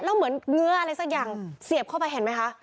แล้วเหมือนเงื้ออะไรสักอย่างเสียบเข้าไปเห็นไหมคะ